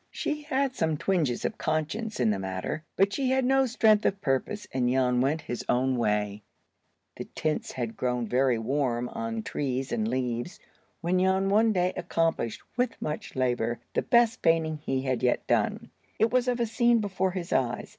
She had some twinges of conscience in the matter, but she had no strength of purpose, and Jan went his own way. The tints had grown very warm on trees and leaves, when Jan one day accomplished, with much labor, the best painting he had yet done. It was of a scene before his eyes.